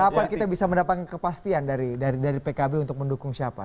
kapan kita bisa mendapatkan kepastian dari pkb untuk mendukung siapa